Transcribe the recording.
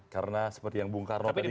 karena seperti yang bung karno tadi katakan